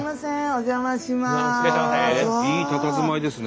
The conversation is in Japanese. お邪魔します。